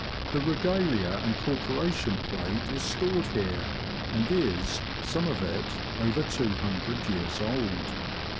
The Regalia and Corporation Plate is stored here, and is, some of it, over 200 years old.